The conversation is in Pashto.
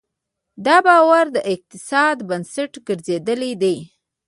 دا باور د اقتصاد بنسټ ګرځېدلی دی.